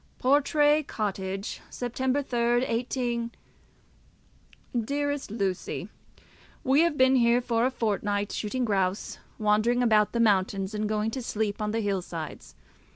Portray Cottage, 3 Sept., 18 . DEAREST LUCY, We have been here for a fortnight, shooting grouse, wandering about the mountains, and going to sleep on the hill sides.